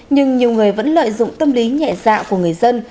nhưng nhiều người vẫn lợi dụng tâm lý nhẹ dạ của người dân